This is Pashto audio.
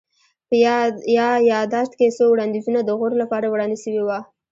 په يا ياداشت کي څو وړانديزونه د غور لپاره وړاندي سوي وه